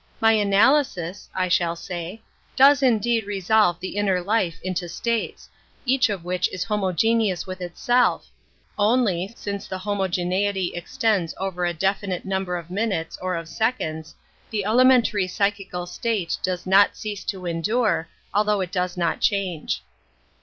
My analysis," I shall say, "does indeed resolve the inner life into states, each of which is homogeneous with itself; only, since the homogeneity extends over a definite number of minutes or of seconds, the elementary psychical state does not cease to endure, although it does not change."